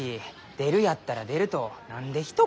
出るやったら出ると何でひと言。